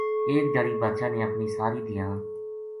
ایک دھیاڑی بادشاہ نے اپنی ساری دھیاں